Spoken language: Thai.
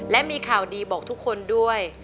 และมีข่าวดีบอกทุกคนด้วย